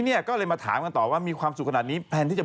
อ๋อเลยคือตรวจเขาสามารถตรวจ